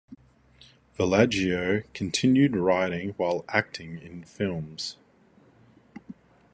Villaggio continued writing while acting in films.